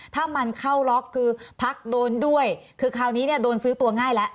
ถ้ามันเข้าล็อกคือพักโดนด้วยคือคราวนี้เนี่ยโดนซื้อตัวง่ายแล้ว